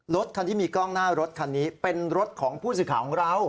รถคันที่มีกล้องหน้ารถคันนี้เป็นรถของผู้สื่อข่าวของเรา